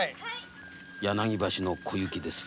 柳橋の小雪です。